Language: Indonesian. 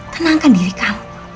tenangkan diri kamu